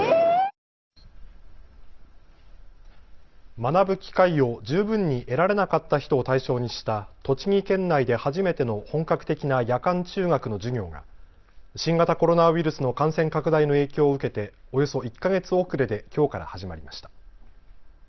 学ぶ機会を十分に得られなかった人を対象にした栃木県内で初めての本格的な夜間中学の授業が新型コロナウイルスの感染拡大の影響を受けておよそ１か月遅れできょうから始まりました。